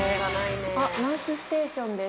ナースステーションです。